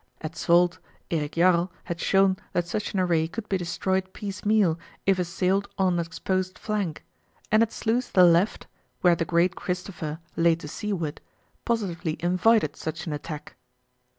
At Svold, Erik Jarl had shown that such an array could be destroyed piecemeal if assailed on an exposed flank, and at Sluys the left, where the "Great Cristopher" lay to seaward, positively invited such an attack.